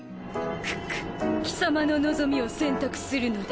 ククッ貴様の望みを選択するのだ。